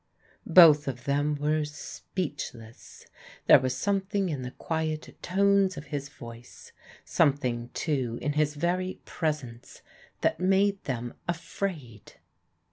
Both of them were speechless. There was something in the quiet tones of his voice, something, too, in his very presence that made them afraid.